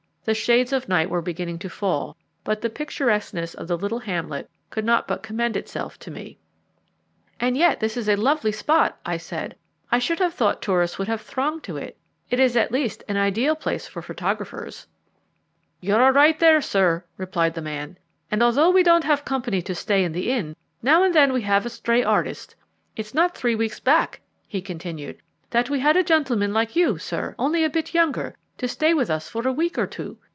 The shades of night were beginning to fall, but the picturesqueness of the little hamlet could not but commend itself to me. "And yet it is a lovely spot," I said. "I should have thought tourists would have thronged to it. It is at least an ideal place for photographers." "You are right there, sir," replied the man; "and although we don't often have company to stay in the inn, now and then we have a stray artist. It's not three weeks back," he continued, "that we had a gentleman like you, sir, only a bit younger, to stay with us for a week or two.